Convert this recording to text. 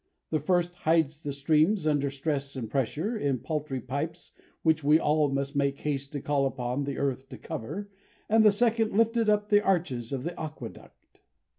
The first hides the streams, under stress and pressure, in paltry pipes which we all must make haste to call upon the earth to cover, and the second lifted up the arches of the aqueduct.